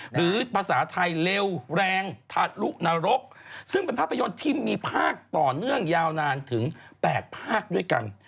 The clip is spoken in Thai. หรือภาษาไทยเร็วแรงทะลุนรกซึ่งเป็นภาพยนตร์ที่มีภาคต่อเนื่องยาวนานถึง๘ภาคด้วยกัน